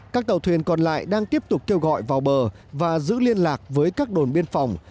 các tàu thuyền còn lại đang tiếp tục kêu gọi vào bờ và giữ liên lạc với các đồn biên phòng